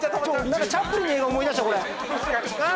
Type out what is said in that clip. なんかチャップリンの映画思い出したこれ。